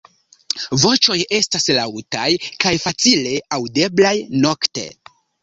Voĉoj estas laŭtaj kaj facile aŭdeblaj nokte.